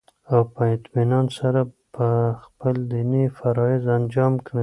او په اطمينان سره به خپل ديني فرايض انجام كړي